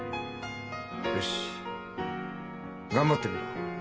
よし頑張ってみろ。